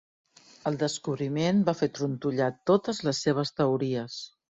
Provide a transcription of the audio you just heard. El descobriment va fer trontollar totes les seves teories.